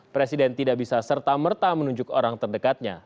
presiden tidak bisa serta merta menunjuk orang terdekatnya